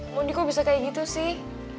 mondi kok bisa kayak gitu sih